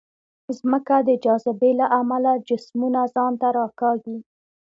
ځمکه د جاذبې له امله جسمونه ځان ته راکاږي.